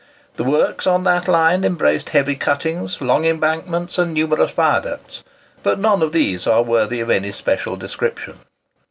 The works on that line embraced heavy cuttings, long embankments, and numerous viaducts; but none of these are worthy of any special description.